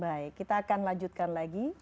baik kita akan lanjutkan lagi